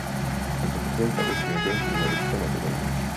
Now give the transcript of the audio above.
განსაკუთრებულ პატივს მიაგებენ ბულგარეთსა და მაკედონიაში.